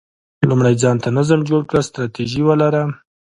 لومړی ځان ته نظم جوړ کړه، ستراتیژي ولره،